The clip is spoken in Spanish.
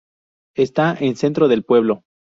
Está en centro del pueblo.